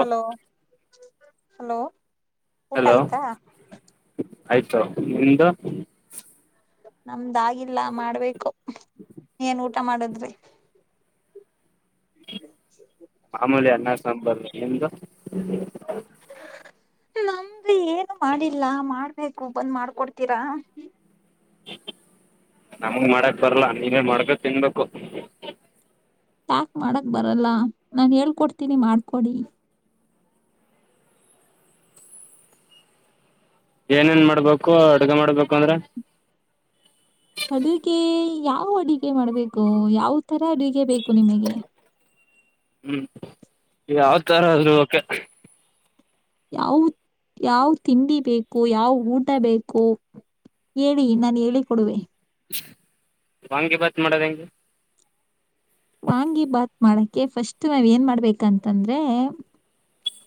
hello hello ಊಟ hello ಆಯ್ತಾ ಆಯ್ತು ನಿಮ್ದು ನಮ್ದಾಗಿಲ್ಲ ಮಾಡ್ಬೇಕು ಏನ್ ಊಟ ಮಾಡದ್ರಿ ಹ್ಮ ಮಾಮೂಲಿ ಅನ್ನ ಸಾಂಬಾರು ನಿಮ್ದು ನಮ್ದಿ ಏನು ಮಾಡಿಲ್ಲ ಮಾಡ್ಬೇಕು ಬಂದ್ ಮಾಡ್ಕೊಡ್ತೀರಾ ನಮಗ್ ಮಾಡಕ್ ಬರ್ಲ್ಲ ನೀನೇ ಮಾಡ್ಕಂಡ್ ತಿನ್ಬೇಕು ಯಾಕ್ ಮಾಡಕ್ ಬರಲ್ಲ ನಾನ್ ಹೇಳ್ಕೊಡ್ತೀನಿ ಮಾಡ್ಕೊಡಿ ಏನೇನು ಮಾಡಬೇಕು ಅಡುಗೆ ಮಾಡಬೇಕು ಅಂದ್ರೆ ಅಡುಗೆ ಯಾವ ಅಡುಗೆ ಮಾಡ್ಬೇಕು ಯಾವ ತರ ಅಡುಗೆ ಬೇಕು ನಿಮಗೆ ಹ್ಮ್ ಯಾವ ತರ ಆದ್ರೂ ಒಕೆ ಯಾವ ಯಾವ್ ತಿಂಡಿ ಬೇಕು ಯಾವ್ ಊಟ ಬೇಕು ಹೇಳಿ ನಾನ್ ಹೇಳಿ ಕೊಡುವೆ ವಾಂಗೆ ಬಾತ್ ಮಾಡೋದ್ ಹೆಂಗ್ ವಾಂಗಿ ಭಾತ್ ಮಾಡಕೆ ಫಸ್ಟ್ ನಾವ್ ಏನ್ ಮಾಡ್ಬೇಕಂತಂದ್ರೆ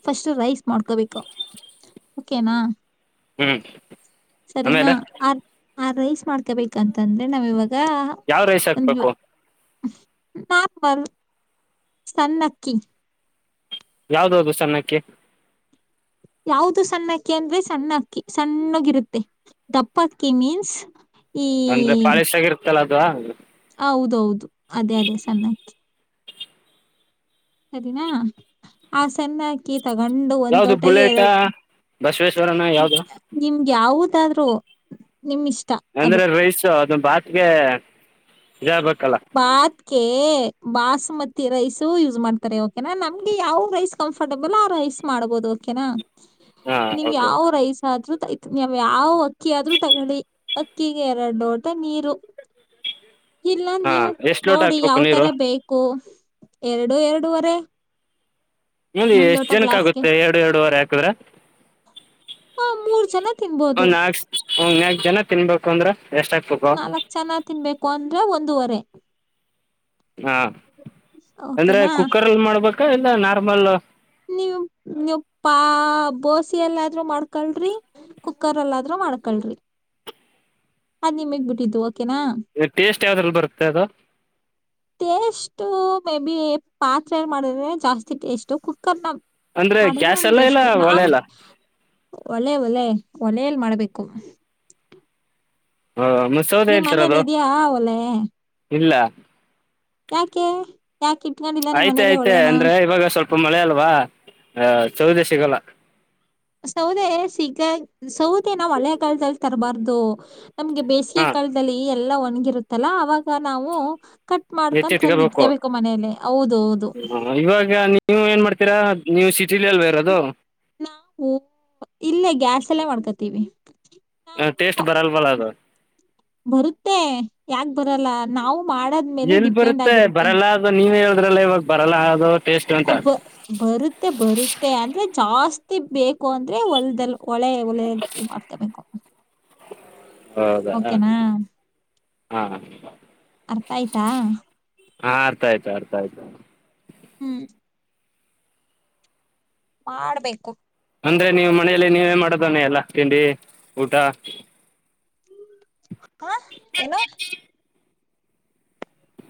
ಫಸ್ಟ್ ರೈಸ್ ಮಾಡ್ಕೋಬೇಕು ಒಕೆನಾ ಹ್ಮ್ ಸರಿನಾ ಆಮೇಲೆ ಆ ಆ ರೈಸ್ ಮಾಡ್ಕೊಬೇಕಂತಂದ್ರೆ ನಾವ ಇವಾಗ ಯಾವ್ ರೈಸ್ ಹಾಕ್ಬೇಕು ನಾರ್ಮಲ್ ಸನ್ನಕ್ಕಿ ಯಾವ್ದ ಅದು ಸಣ್ಣಕ್ಕಿ ಯಾವದು ಸಣ್ಣ ಅಕ್ಕಿ ಅಂದ್ರೆ ಸಣ್ಣ ಅಕ್ಕಿ ಸಣ್ಣಗಿರುತ್ತೆ ದಪ್ಪ ಅಕ್ಕಿ ಮೀನ್ಸ್ ಈ ಅಂದ್ರೆ ಫಾಲಿಶ್ ಆಗಿರುತ್ತಲ್ಲ ಅದು ಹೌದೌದು ಅದೇ ಅದೇ ಸಣ್ಣಕ್ಕಿ ಸರಿನಾ ಆ ಸಣ್ಣ ಹಾಕಿ ಅಕ್ಕಿ ತಗೊಂಡು ಒಂದ್ ಯಾವ್ದು ಲೋಟೆಗೆ ಬುಲೆಟಾ ಎರಡು ಬಸವೇಶ್ವರನ ಯಾವ್ದು ನಿಮ್ಗೆ ಯಾವವುದಾದ್ರು ನಿಮ್ ಇಷ್ಟ ಅದು ಅಂದ್ರೆ ರೈಸು ಅದು ಬಾತ್ಗೆ ಇದು ಆಗ್ಬೇಕಲ್ಲ ಬಾತ್ಕೆ ಬಾಸ್ಮತಿ ರೈಸ್ ಯೂಸ್ ಮಾಡ್ತಾರೆ ಓಕೆನಾ ನಮ್ಗೆ ಯಾವ ರೈಸ್ ಕಂಫರ್ಟಬಲ್ ಆ ರೈಸ್ ಮಾಡಬಹುದು ಓಕೆನಾ ಹಾ ನೀವು ಓಕೆ ಯಾವ ರೈಸ್ ಆದ್ರೂ ನಾವ್ ಯಾವ್ ಅಕ್ಕಿ ಆದ್ರೂ ತಗೊಳ್ಳಿ ಅಕ್ಕಿಗೆ ಎರಡು ಲೋಟ ನೀರು ಇಲ್ಲ ಹಾ ನೀವು ಎಷ್ಟ್ ಲೋಟ ನೋಡಿ ಹಾಕ್ಬೇಕು ಯಾವ್ ತರ ನೀರು ಬೇಕು ಎರಡು ಎರಡವರೆ ಇಲ್ಲಿ ಎಷ್ಟ್ ಜನಕ್ಕ ಗ್ಲಾಸ್ಗೆ ಆಗುತ್ತೆ ಎರಡು ಎರಡುವರೆ ಹಾಕಿದ್ರೆ ಹ ಮೂರ್ ಜನ ತಿನ್ಬೋದು ಒಂದ್ ನಾಕ್ ಒಂದ್ ನಾಕ್ ಜನ ತಿನ್ಬೇಕು ಅಂದ್ರೆ ಎಷ್ಟ ಹಾಕ್ಬೇಕು ನಾಲ್ಕ್ ಜನ ತಿನ್ಬೇಕು ಅಂದ್ರೆ ಒಂದೂವರೆ ಹಾಂ ಅಂದರೆ ಓಕೆನಾ ಕುಕ್ಕರಲ್ಲಿ ಮಾಡ್ಬೇಕಾ ಇಲ್ಲ ನಾರ್ಮಲ್ ನೀವು ನೀವ ಪಾ ಬೋಸೆ ಎಲ್ಲಾದ್ರೂ ಮಾಡ್ಕಳ್ರಿ ಕುಕ್ಕರ ಅಲ್ಲಾದ್ರೂ ಮಾಡ್ಕಳ್ರಿ ಅದ್ ನಿಮಗ್ ಬಿಟ್ಟಿದ್ದು ಓಕೆನಾ ಟೇಸ್ಟ್ ಯಾವ್ದ್ರಲ್ಲಿ ಬರುತ್ತೆ ಅದು ಟೇಸ್ಟು ಮೇ ಬಿ ಪಾತ್ರೆ ಮಾಡಿದ್ರೆ ಜಾಸ್ತಿ ಟೇಸ್ಟ್ ಕುಕ್ಕರ್ ನ ಅಂದ್ರೆ ಗ್ಯಾಸ್ ಎಲ್ಲಾ ಇಲ್ಲ ಹೊಲೆ ಎಲ್ಲ ಒಲೆ ಒಲೆ ಒಲೆಯಲ್ಲಿ ಮಾಡ್ಬೇಕು ಹಾ ಹಾ ನಿಮ್ ಮನೇಲಿ ಇದ್ಯಾ ಒಲೆ ಇಲ್ಲ ಯಾಕೆ ಯಾಕೆ ಇಟ್ಕೊಂಡಿಲ್ಲ ನಿಮ್ಮ ಮನೇೆಯಲ್ಲಿ ಒಲೇನ ಇಪ್ಪ ಮಳೆ ಅಲ್ವಾ ಚೌದ ಸಿಗೋಲ್ಲ ಸೌದೆ ಸಿಗದೆ ಸೌದೆನಾ ಮಳೆಗಾಲದಲ್ಲಿ ತರಬಾರ್ದು ನಮ್ಗೆ ಬೇಸಿಗೆ ಹಾ ಕಾಲದಲ್ಲಿ ಎಲ್ಲ ಒಣಗಿರುತ್ತಲ್ಲ ಅವಾಗ ನಾವು ಕಟ್ ಮಾಡ್ಕು ತಂದ ಎತ್ತಿಟ್ಕೋಬೇಕು ಇಟ್ಕಬೇಕು ಮನೇಲ್ಲ ಹೌದ ಹೌದು ಇವಾಗ ನೀವು ಏನ್ ಮಾಡ್ತೀರಾ ನೀವು ಸಿಟಿಲಿ ಅಲ್ವಾ ಇರೋದು ನಾವು ಇಲ್ಲೇ ಗ್ಯಾಸ್ ಅಲ್ಲೆ ಮಾಡ್ಕೊತೀವಿ ಟೇಸ್ಟ್ ಬರಲ್ವಲ್ಲ ಅದು ಬರುತ್ತೆ ಯಾಕ ಬರಲ್ಲ ನಾವು ಮಾಡದ ಎಲ್ಲಿ ಬರುತ್ತೆ ಬರಲ್ಲ ಅದ ನೀವ ಹೇಳುದ್ರಲ್ಲ ಇವಾಗ ಬರಲ್ಲ ಅದು ಟೇಸ್ಟ್ ಅಂತ ಅಬ್ಬಾ ಬರುತ್ತೆ ಬರುತ್ತೆ ಅಂದ್ರೆ ಜಾಸ್ತಿ ಬೇಕು ಅಂದ್ರೆ ಹೊಲದಲ್ಲಿ ಕೊಳೆ ಒಲೆ [unintelligible] ಹೌದಾ ಹ ಹಾ ಅರ್ಥ ಆಯ್ತಾ ಹಾ ಅರ್ಥ ಆಯ್ತು ಅರ್ಥ ಆಯ್ತು ಹ್ಮ್ ಮಾಡ್ಬೇಕು ಅಂದ್ರೆ ನೀವು ಮನೇಯಲ್ಲಿ ನೀವೇ ಮಾಡದವನ್ನೆ ಎಲ್ಲ ತಿಂಡಿ ಊಟ ಹಾ ಏನೋ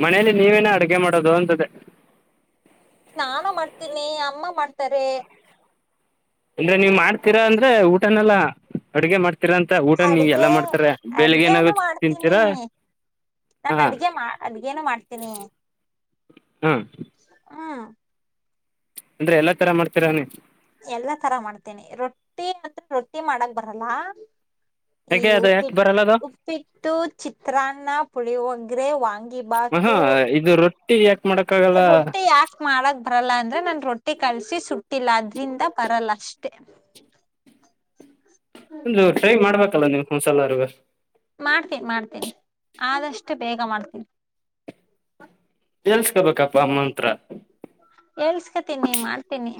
ಮನೇಲಿ ನೀವೇನ ಅಡ್ಗೆ ಮಾಡೋದು ಅಂತ್ದೇ ನಾನು ಮಾಡ್ತೀನಿ ಅಮ್ಮ ಮಾಡ್ತಾರೆ ಅಂದ್ರೆ ನೀವು್ ಮಾಡ್ತೀರಾ ಅಂದ್ರೆ ಊಟನೆಲ್ಲಾ ಅಡುಗೆ ಮಾಡ್ತೀ ತೀರ ಅಂತ ಊಟ ನೀ ಅಡ್ಗೆ ಎಲ್ಲಾ ಮಾಡ್ತಾರ ಬೆಳಿಗ್ಗೆ ಅಡ್ಗೆನು ಏನಾಗುತ್ತ ತಿಂತೀರಾ ನಾನು ಹಾ ಅಡ್ಗೆ ಮಾ ಅಡ್ಗೇನು ಮಾಡ್ತೀನಿ ಹಾ ಹ ಅಂದ್ರೆ ಎಲ್ಲ ತರ ಮಾಡ್ತೀರ ಅವನಿ ಎಲ್ಲಾ ತರ ಮಾಡ್ತೇನಿ ರೊಟ್ಟಿ ರೊಟ್ಟಿ ಮಾಡಕ್ ಬರಲ್ಲ ಈ ಯಾಕೆ ಅದು ಯಕೆ ಉಪ್ಪಿಟ್ಟು ಬರಲ್ಲ ಅದು ಉಪ್ಪಿಟ್ಟು ಚಿತ್ರಾನ್ನ ಪುಳಿಯೋಗ್ರೆ ವಾಂಗಿ ಬಾತ್ ಹಾ ಇದು ರೊಟ್ಟಿ ಯಾಕ್ ಮಾಡಕ್ ಆಗಲ್ಲ ರೊಟ್ಟಿ ಯಾಕ್ ಮಾಡಕ್ ಬರಲ್ಲ ಅಂದ್ರೆ ನನ್ ರೊಟ್ಟಿ ಕಳ್ಸಿ ಸುಟ್ಟಿಲ್ಲ ಅದ್ರಿಂದ ಬರಲ್ಲ ಅಷ್ಟೇ ಒಂದು ಟ್ರೈ ಮಾಡ್ಬೇಕಲ್ಲ ನೀವು ಒಂದುಸಲಆರುವೆ ಮಾಡ್ತೀನಿ ಮಾಡ್ತೀನಿ ಆದಷ್ಟು ಬೇಗ ಮಾಡ್ತೀನಿ ಹೇಳಿಸ್ಕೊಬೇಕಪ್ಪ ಅಮ್ಮ ಹತ್ರ ಹೇಳ್ಸ್ಕತೀನಿ ಮಾಡ್ತೀನಿ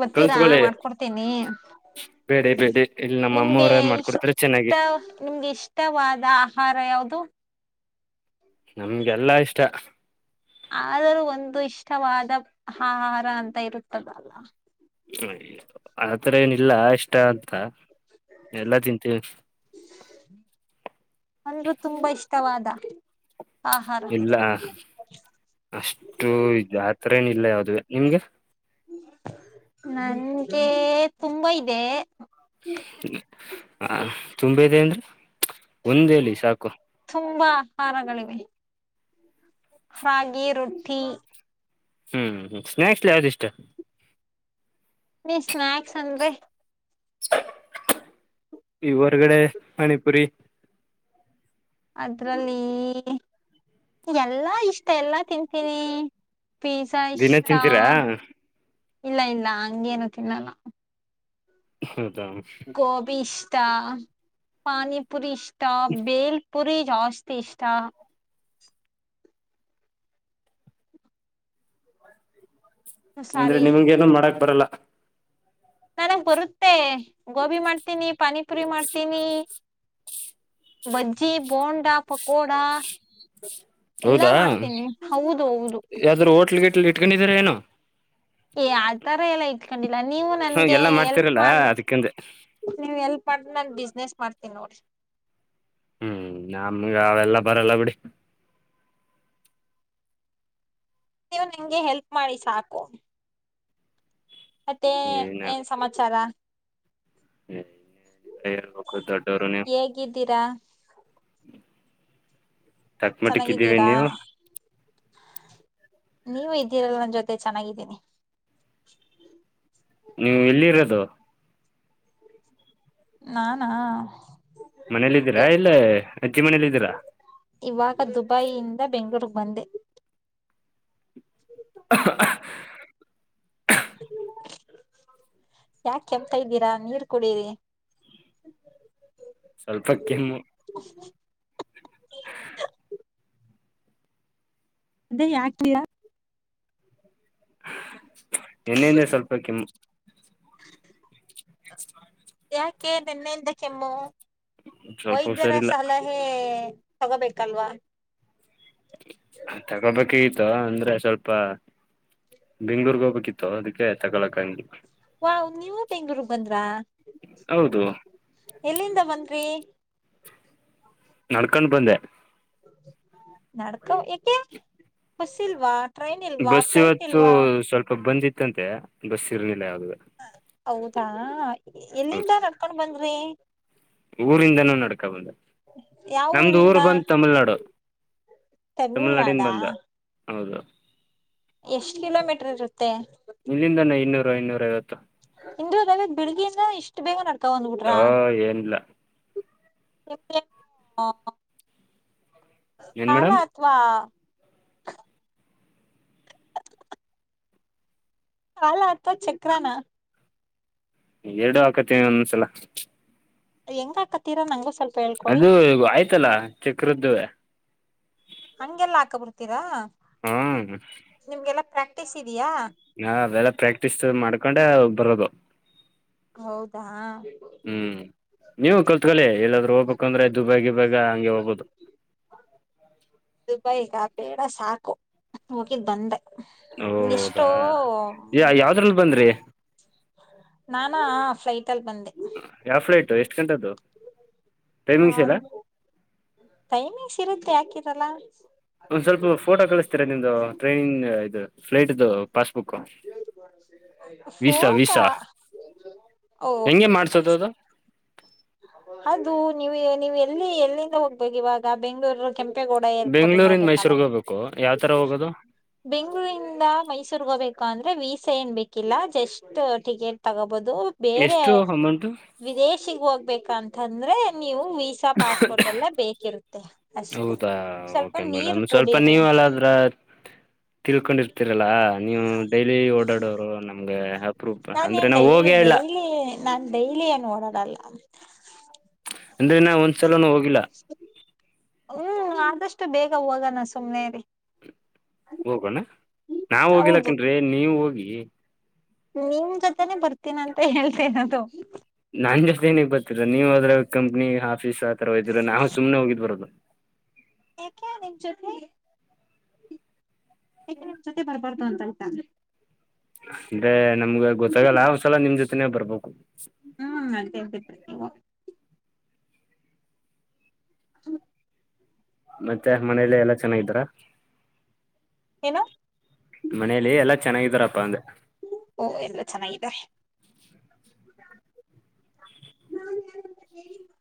ಬರ್ತೀರಾ ಕಲ್ತ್ಕೊಳ್ಳಿ ಮಾಡಿಕೊಡ್ತೀನಿ ಬೇಡಿ ಬೇಡಿ ಇಲ್ಲಿ ನಮ್ಮ ನಿಮ್ಗೆ ಅಮ್ಮವರೇ ಮಾಡ್ಕೊಡ್ತಾರೆ ಇಷ್ಟ ಚೆನ್ನಾಗಿ ನಿಮ್ಗೆ ಇಷ್ಟ ಇಷ್ಟವಾದ ಆಹಾರ ಯಾವುದು ನಮಗೆ ಎಲ್ಲಾ ಇಷ್ಟ ಆದರೂ ಒಂದು ಇಷ್ಟವಾದ ಆಹಾರ ಅಂತ ಇರುತಲ್ಲ ಆತರ ಏನಿಲ್ಲ ಇಷ್ಟ ಅಂತ ಎಲ್ಲಾ ತಿಂತೀವಿ ಅಂದ್ರು ತುಂಬಾ ಇಷ್ಟವಾದ ಆಹಾರ ಇಲ್ಲ ಅಷ್ಟು ಆತರೇನು ಇಲ್ಲ ಯಾವ್ದೇ ನಿಮ್ಗೆ ನನ್ಗೆ ತುಂಬಾ ಇದೆ ಹ ತುಂಬ ಇದೆ ಅಂದ್ರೆ ಒಂದು ಹೇಳಿ ಸಾಕು ತುಂಬಾ ಆಹಾರಗಳಿವೆ ರಾಗಿ ರೊಟ್ಟಿ ಹ್ಮ್ ಸ್ನಾಕ್ಸ್ ಯಾವ್ದ ಇಷ್ಟ ಸ್ನಾಕ್ಸ್ ಅಂದ್ರೆ ಈ ಹೊರಗಡೆ ಪಾನಿಪುರಿ ಅದ್ರಲ್ಲಿ ಎಲ್ಲಾ ಇಷ್ಟ ಎಲ್ಲಾ ತಿಂತೀನಿ ಪಿಜ್ಜಾ ದಿನ ಇಷ್ಟ ತಿಂತೀರಾ ಇಲ್ಲ ಇಲ್ಲ ಹಂಗೇನು ತಿನ್ನಲ್ಲ ಹೌದ ಗೋಬಿ ಇಷ್ಟ ಪಾನಿಪುರಿ ಇಷ್ಟ ಬೆಲ್ ಪುರಿ ಜಾಸ್ತಿ ಇಷ್ಟಾ ಅಂದ್ರೆ ಸಾರಿ ನಿಮ್ಗೆ ಏನು ಮಾಡಕ್ ಬರಲ್ಲ ನನಗ್ ಬರುತ್ತೆ ಗೋಬಿ ಮಾಡ್ತೀನಿ ಪಾನಿಪುರಿ ಮಾಡ್ತೀನಿ ಬಜ್ಜಿ ಬೋಂಡಾ ಪಕೋಡಾ ಹೌದಾ ಹೌದು ಹೌದು ಯಾವಾದರೂ ಹೋಟ್ಲು ಗೇಟ್ಲ್ ಇಟ್ಕೊಂಡಿದರ ಏನೋ ಆತರ ಏನು ಇಟ್ಕೊಂಡಿಲ್ಲ ನೀವು ಹ ನನ್ಗೆ ಎಲ್ಲಾ ಎಲ್ಪ್ ಮಾಡ್ತಿರಲ್ಲ ಮಾಡಬಿಟ್ಟು ಅದಕ್ಕಂದೆ ನೀವು ಹೆಲ್ಪ್ ಮಾಡಿದ್ರೆ ನಾನು ಬಿಸ್ನೆಸ್ ಮಾಡ್ತೀನೀ ನೋಡ್ರಿ ಹ್ಮ್ ನಮ್ಗೆ ಅವೆಲ್ಲ ಬರಲ್ಲ ಬಿಡಿ ನೀವು ನಂಗೆ ಹೆಲ್ಪ್ ಮಾಡಿ ಸಾಕು ಮತ್ತೆ ಏನ ಏನ್ ಸಮಾಚಾರ ಹೇಳಬೇಕು ದೊಡ್ಡವರು ನೀವು ಹೇಗಿದ್ದೀರಾ ತಕ್ಮಟಕ್ ಇದ್ದೀವಿ ಚೆನ್ನಾಗಿದ್ದೀರಾ ನೀವು ನೀವು ಇದ್ದೀರಲ್ಲ ನನ್ನ ಜೊತೆ ಚೆನ್ನಾಗಿದ್ದೀನಿ ನೀವು ಎಲ್ಲಿ ಇರೋದು ನಾನಾ ಮನೇಲಿಯಿದ್ದೀರಾ ಇಲ್ಲ ಅಜ್ಜಿ ಮನೇಲಿಯಿದ್ದೀರ ಇವಾಗ ದುಬೈಯಿಂದ ಬೆಂಗಳೂರಿಗೆ ಬಂದೆ [unintelligible] ಯಾಕೆ ಕೆಮ್ತಾ ಇದ್ದೀರಾ ನೀರ್ ಕುಡರಿ ಸ್ವಲ್ಪ ಕೆಮ್ಮು ಹ ಅದೇ ಯಾಕಿಯಾ ಎಣ್ಣೆಯಿಂದ್ರೆ ಸ್ವಲ್ಪ ಕೆ ಎ ಯಾಕೆ ನೆನ್ನೆಯಿಂದ ಕೆಮ್ಮು ಸ್ವಲ್ಪ ವೈದ್ಯರ ಹುಷಾರಿಲ್ಲ ಸಾಲ ಹೇ ತಗೋಬೇಕಲ್ವಾ ತಗೋಬೇಕ ಆ್ತ ಅಂದ್ರೆ ಸ್ವಲ್ಪ ಬೆಂಗ್ಳೂರ್ಗ್ ಹೋಗ್ಬೇಕಿತ್ತು ಅದಕ್ಕೆ ತಗೊಳಕಂಡ ವಾ ನೀವು ಬೆಂಗ್ಳೂರ್ಗ್ ಬಂದ್ರಾ ಹೌದು ಎಲ್ಲಿಂದ ಬನ್ರಿ ನಡ್ಕೊಂಡು ಬಂದೆ ನಡಕ ಹ ಫಸೀಲ್ವಾ ಬಸ್ ಇವತ್ತು ಸ್ವಲ್ಪ ಬಂದ್ತ್ತಂತೆ ಬಸ್ ಇರಲಿಲ್ಲ ಯಾದ ಹೌದಾ ಎಲ್ಲಿಂದ ಹೌದು ನಡ್ಕೊಂಡ್ ಬಂದ್ರಿ ಊರಿಂದನೂ ನಡ್ಕಬಂದ ಯಾವ ನಮ್ದು ಊರ್ ಊರಿಂದ ಬಂದ್ ತಮಿಳ್ನಾಡು ತಮಿಳ್ನಾಡಾ ಹೌದಾ ಎಷ್ಟ್ ಕಿಲೋಮೀಟರ್ ಇರುತ್ತೆ ನಿಲ್ಲಿಂದಾನೇ ಇನ್ನೂರು ಇನ್ನೂರ ಐವತ್ತು ಇದಾವ ಬೆಳಗಿಂದ ಇಷ್ಟು ಬೇಗ ನಡ್ತಾವ ಬಂದ್ಬಿಟ್ರ ಆ ಏನಿಲ್ಲ ಪ್ರ ಏನ್ ಕಾಲ ಮೇಡಮ್ ಅಥವಾ ಕಾಲ ಅಥವಾ ಚಕ್ರಾನ ಎರಡು ಹಾಕತನಿ ಒಂದೊಂದ್ಸಲ ಹೆಂಗ ಹಕತೀರಾ ನಂಗು ಸ್ವಲ್ಪ ಹೇಳ್ಕೊಡಿ ಅದು ಆಯ್ತಲ್ಲ ಚಕ್ರದ್ದ ಹಂಗೆಲ್ಲಾ ಹಾಕ ಬಿಡ್ತೀರಾ ಹ್ಮ ನಿಮ್ಗೆಲ್ಲಾ ಪ್ರಾಕ್ಟೀಸ್ ಇದಯಾ ಹಾ ಅವೆಲ್ಲ ಪ್ರಾಕ್ಟೀಸ್ ಮಾಡ್ಕೊಂಡೆ ಬರೋದು ಹೌದಾ ಹ್ಞೂ ನೀವು ಕಲ್ತ್ಕೊಳ್ಳಿ ಎಲ್ಲಾದರೂ ಹೋಗ್ಬೇಕಂದ್ರೆ ದುಬಾಯಿ ಗುಬಾಯಿ ಹಂಗೆ ಹೋಗ್ಬೋದು ದುಬೈ ಕಾ ಬೇಡ ಸಾಕು ಹೋಗಿದ್ ಬಂದೆ ಹೌದಾ ಎಷ್ಟೋ ಯ ಯಾವದ್ರಲ್ಲಿ ಬಂದ್ರಿ ನಾನಾ ಫ್ಲೈಟ್ ಅಲ್ಲಿ ಬಂದೆ ಯಾವ ಫ್ಲೈಟ್ ಎಷ್ಟು ಗಂಟೆದು ಟೈಮಿಂಗ್ಸ್ ನಾನ್ ಇಲ್ಲ ಟೈಮಿಂಗ್ಸ್ ಇರುತ್ತೆ ಯಾಕರಲ್ಲ ಒಂದ್ ಸ್ವಲ್ಪ ಫೋಟೋ ಕಳಿಸ್ತೀರಾ ನಿಮ್ದು ಟ್ರೈನ್ ಇದು ಫ್ಲೈಟ್ದು ಪಾಸ್ಬುಕ್ ವೀಸಾ ಫೋಟಾ ವೀಸಾ ಓ ಓಕೆ ಹೆಂಗೆ ಓಕೆ ಮಾಡ್ಸೋದು ಥ್ಯಾಂಕ್ಸ್ ಅದು ಅದು ನೀವು ನೀವ ಎಲ್ಲಿ ಎಲ್ಲಿಂದ ಹೋಗ್ಬೇಕ ಇವಾಗ ಬೆಂಗಳೂರ ಕೆಂಪೇಗೌಡ ಏರ್ಪೋರ್ಟ್ ಇಂದ ಬೆಂಗಳೂರಿಂದ ಹೋಗ್ಬೇಕ್ ನಾನು ಮೈಸೂರ್ಗ್ ಹೋಗ್ಬೇಕು ಯಾವ ತರ ಹೋಗೋದು ಬೆಂಗಳೂರಿಂದ ಮೈಸೂರ್ ಹೋಗಬೇಕು ಅಂದ್ರೆ ವೀಸಾ ಏನ್ ಬೇಕಿಲ್ಲ ಜಸ್ಟ್ ಟಿಕೆಟ್ ತಗೋಬೋದು ಬೇರೆ ಎಷ್ಟು ಅಮೌಂಟ್ ವಿದೇಶಿಗ್ ಹೋಗ್ಬೇಕಂತಂದ್ರೆ ನೀವು ವೀಸಾ ಸ ಪಾಸ್ಪೋರ್ಟ್ ಎಲ್ಲ ಬೇಕಿರುತ್ತೆ ಅಷ್ಟೇ ಹೌದಾ ಸ್ವಲ್ಪ ನೀರ್ ಕುೂಡಿರಿ ತಿಳಕೊಂಡಿರು ಗತ್ತರಲ್ಲ ನೀವು ಡೈಲಿ ಓಡಾಡೋರು ನಮ್ಗೆ ಅಪ್ರೂವ್ ಅಂದ್ರೆ ನಾನೇನ್ ನಾವು ಡೈಲಿ ಹೋಗೇ ಇಲ್ಲ ಡೈಲಿ ನಾನ್ ಡೈಲಿ ಏನ್ ಓಡೋಡಲ್ಲ ಅಂದ್ರೆ ನ ಒಂದ್ಲ ಹೋಗಿಲ್ಲ ಹ್ಮ್ ಆದಷ್ಟು ಬೇಗ ಹೋಗೋಣ ಸುಮ್ನೆರಿ ಹೋಗೋಣ ನಾವ ಹೌದು ಹೋಗಿಲಾಕನ್ ನೀವು ಹೋಗಿ ನಿಮ ಜೊತೆನೆ ಬರ್ತೀನ ಅಂತ ಹೇಳ್ತರಿದು ನಾನ್ ಜತೆ ಏನಕೆ ಬರ್ತಿೀರ ನೀವು ಅದ್ರಾಗ ಕಂಪ್ನಿ ಆಫೀಸ್ ಆತರೋದಿದರಾ ನಾವು ಸುಮನೆ ಹೋಗಿದ್ ಬರೋದು ಏಕೆ ನಿಮ್ ಜೊತೆ ಏಕೆ ನಿಮ್ ಜೊತೆ ಬರಬಾರದು ಅಂತ ನಾ ಅಂದ್ರೆ ನಮ್ಗ ಗೊತ್ತಾಗಲ್ಲ ಒಂದ್ಸಲ ನಿಮ್ ಜೊತೆನೆೇ ಬರ್ಬೇಕು ಹ್ಮ್ [unintelligible] ನೀವು ಹ್ಮ ಮತ್ತೆ ಮನೇಲಿ ಎಲ್ಲಾ ಚೆನ್ನಾಗಿದ್ದಾರ ಏನು ಮನೇಲಿ ಎಲ್ಲಾ ಚೆನ್ನಾಗಿದಾರಪ್ಪ ಅಂದೇ ಓ ಎಲ್ಲ ಚೆನ್ನಾಗಿದೆ ನಾ [inaudible]